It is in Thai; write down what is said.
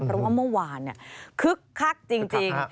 เพราะว่าเมื่อวานคึกคักจริง